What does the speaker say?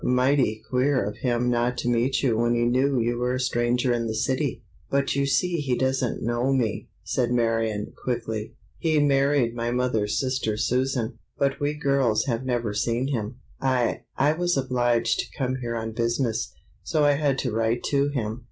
Mighty queer of him not to meet you when he knew you were a stranger in the city." "But you see he doesn't know me!" said Marion, quickly. "He married my mother's sister Susan, but we girls have never seen him. I—I was obliged to come here on business, so I had to write to him.